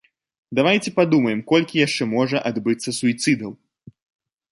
Давайце падумаем, колькі яшчэ можа адбыцца суіцыдаў.